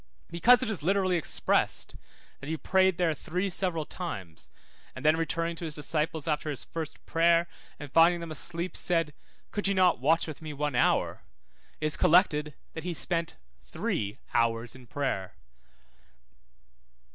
Because it is literally expressed, that he prayed there three several times, 3838 Luke 22:41. and that returning to his disciples after his first prayer, and finding them asleep, said, Could ye not watch with me one hour, 3939 Matt. 26:40. it is collected that he spent three hours in prayer.